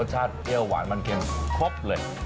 รสชาติเตี๋ยวหวานมันเข็มครบเลย